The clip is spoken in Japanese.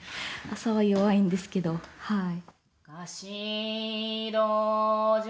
朝は弱いんですけどはい。